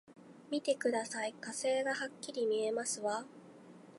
見てください、火星がはっきり見えますわ！